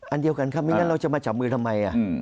อันเดียวกันครับไม่งั้นเราจะมาจับมือทำไม